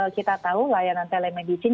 kita tahu layanan telemedicine